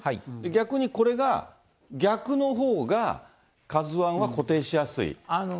逆にこれが、逆のほうがＫＡＺＵＩは固定しやすい？